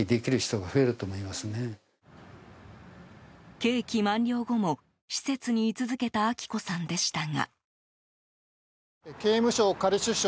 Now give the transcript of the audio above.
刑期満了後も施設に居続けた明子さんでしたが。